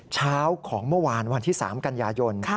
เช้าของเมื่อวานวันที่๓กันยายน